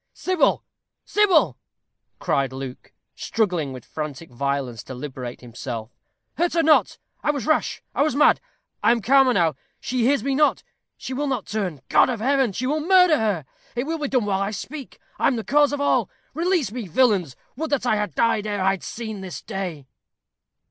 "Sybil, Sybil!" cried Luke, struggling with frantic violence to liberate himself; "hurt her not. I was rash. I was mad. I am calmer now. She hears me not she will not turn. God of heaven! she will murder her. It will be done while I speak. I am the cause of all. Release me, villains! Would that I had died ere I had seen this day."